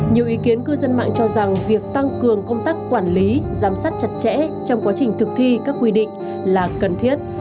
nhiều ý kiến cư dân mạng cho rằng việc tăng cường công tác quản lý giám sát chặt chẽ trong quá trình thực thi các quy định là cần thiết